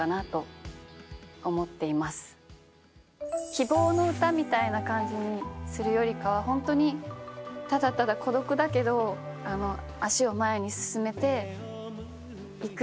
希望の歌みたいな感じにするよりかはホントにただただ孤独だけど足を前に進めていくというか。